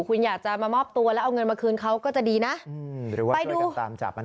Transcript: คุณอยากจะมามอบตัวแล้วเอาเงินมาคืนเขาก็จะดีนะ